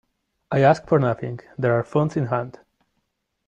I ask for nothing; there are funds in hand.